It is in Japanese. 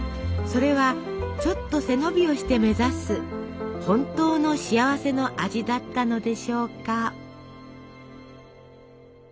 それはちょっと背伸びをして目指す本当の幸せの味だったのでしょうか。